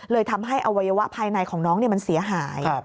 ทำให้อวัยวะภายในของน้องมันเสียหาย